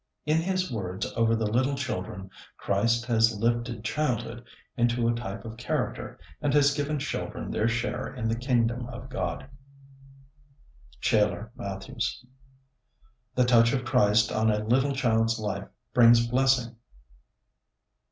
"In His words over the little children, Christ has lifted childhood into a type of character, and has given children their share in the Kingdom of God." (Shailer Mathews.) The touch of Christ on a little child's life brings blessing.